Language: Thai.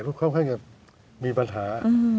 ทุกข้อมห้างมีปัญหา